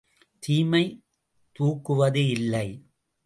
தீமை தூக்குவது இல்லை.